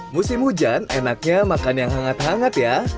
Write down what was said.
musim hujan enaknya makan yang hangat hangat ya